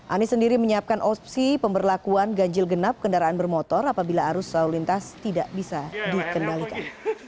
anies sendiri menyiapkan opsi pemberlakuan ganjil genap kendaraan bermotor apabila arus lalu lintas tidak bisa dikendalikan